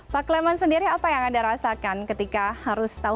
pak cleman sendiri apa yang anda rasakan ketika harus tahu